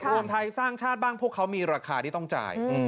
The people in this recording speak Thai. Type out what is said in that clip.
รวมไทยสร้างชาติบ้างพวกเขามีราคาที่ต้องจ่าย